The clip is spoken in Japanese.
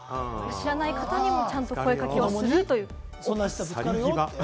知らない方にもちゃんと声かけはするということです。